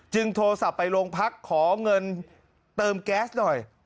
โทรศัพท์ไปโรงพักขอเงินเติมแก๊สหน่อย